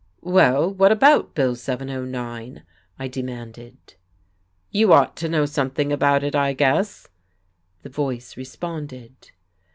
"Well, what about Bill 709?" I demanded. "You ought to know something about it, I guess," the voice responded.